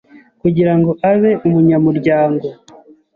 Kugira ngo abe umunyamuryango